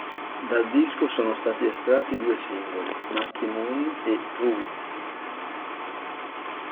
Dal disco sono stati estratti due singoli, "Marquee Moon" e "Prove It".